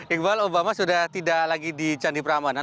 ingbal obama sudah tidak lagi di candi perambanan